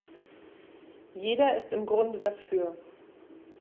Jeder ist im Grunde dafür.